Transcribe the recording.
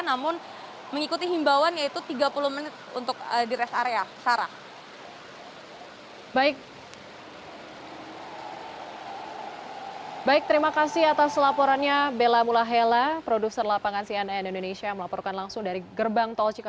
namun mengikuti himbauan yaitu tiga puluh menit untuk di rest area sarah